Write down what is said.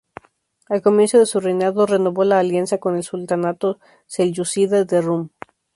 Al comienzo de su reinado renovó la alianza con el sultanato selyúcida de Rüm.